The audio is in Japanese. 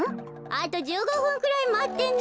あと１５ふんくらいまってね。